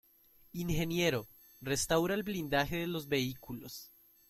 Ingeniero: restaura el blindaje de los vehículos.